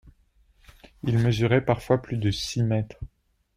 Ils mesuraient parfois plus de six mètres.